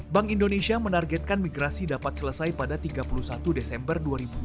bank indonesia menargetkan migrasi dapat selesai pada tiga puluh satu desember dua ribu dua puluh